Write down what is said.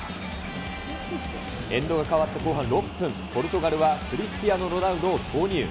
エンドが変わった後半６分、ポルトガルはクリスティアーノ・ロナウドを投入。